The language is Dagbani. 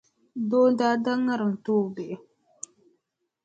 Doo n-daa da ŋariŋ n-ti o bihi.